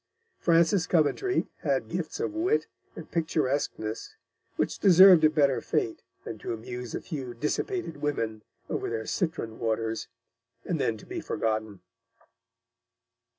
Francis Coventry had gifts of wit and picturesqueness which deserved a better fate than to amuse a few dissipated women over their citron waters, and then to be forgotten.